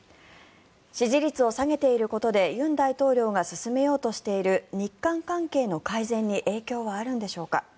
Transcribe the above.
支持率を下げていることで尹大統領が進めようとしている日韓関係の改善に影響はあるんでしょうか。